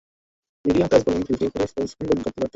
Medium pace bowling থেকে শুরু করে স্লো স্পিন বোলিং করতে পারতেন।